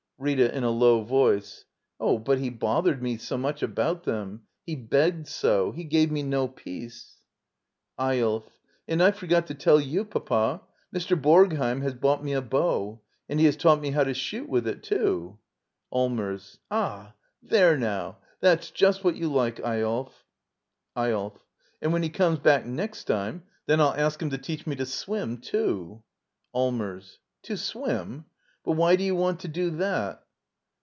Rita, [In a low voice.] Dh, but he bothered me so much about them — he begged so. He gave me no peace. Eyolf. And I forgot to tell you, Papa — Mr. Borgheim* has bought me a bow., And he has taught me how to shoot with it, too. Allmers. Ah, there now — that's just what you like, Eyolf. Eyolf. And when he comes back next time, then I'll ask him to teach me to swim, too. Allmers. To swim 1 But why do you want to do that?